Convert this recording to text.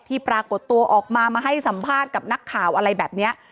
ปรากฏตัวออกมามาให้สัมภาษณ์กับนักข่าวอะไรแบบนี้